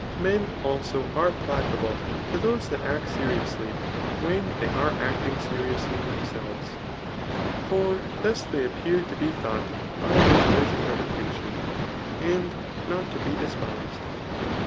Men also are placa ble to those that act seriously, when they are acting seriously themselves ; for thus they appear to be thought by them worthy of attention, and not to be despised.